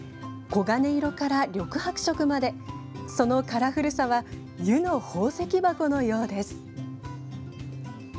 黄金色から緑白色までそのカラフルさは湯の宝石箱のようです。